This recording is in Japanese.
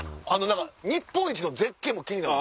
日本一の絶景も気になる。